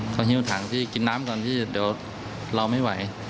เขาหิ้วถังที่กินน้ำก่อนที่เดี๋ยวเราไม่ไหว